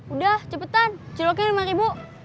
udah cepetan ciloknya rp lima